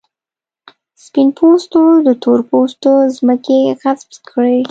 سپین پوستو د تور پوستو ځمکې غصب کړې.